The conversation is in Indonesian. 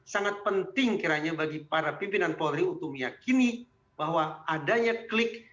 sangat penting kiranya bagi para pimpinan polri untuk meyakini bahwa adanya klik